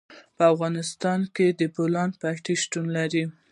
په افغانستان کې د بولان پټي شتون لري.